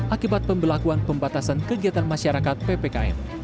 akibat pembelakuan pembatasan kegiatan masyarakat ppkm